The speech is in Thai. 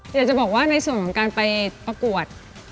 อยากจะบอกว่าในส่วนของการไปประกวด